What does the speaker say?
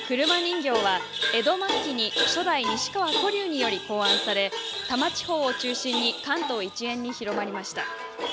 車人形は、江戸末期に初代西川古柳により考案され多摩地方を中心に関東一円に広まりました。